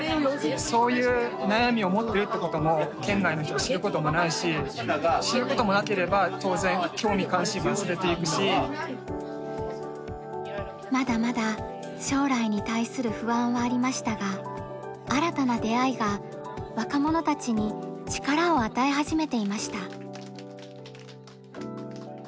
そういう悩みを持ってるってことも県外の人は知ることもないしまだまだ将来に対する不安はありましたが新たな出会いが若者たちに力を与え始めていました。